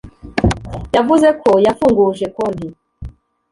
yavuze ko yafunguje konti